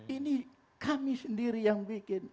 ini kami sendiri yang bikin